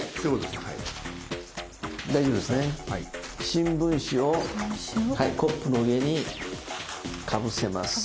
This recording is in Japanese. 新聞紙をコップの上にかぶせます。